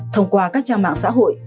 thông qua các trang mạng xã hội